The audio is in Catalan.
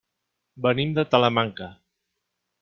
Venim de Talamanca.